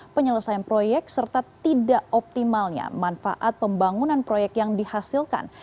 penyelesaian proyek serta tidak optimalnya manfaat pembangunan proyek yang dihasilkan